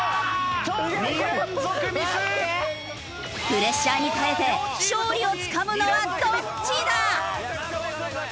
プレッシャーに耐えて勝利をつかむのはどっちだ！？